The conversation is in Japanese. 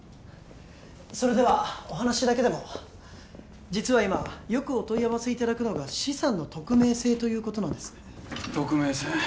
それではお話だけでも実は今よくお問い合わせいただくのが資産の匿名性ということなんです匿名性？